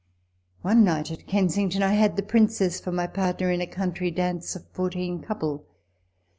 i One night, at Kensington, I had the Princess for my partner in a country dance of fourteen couple.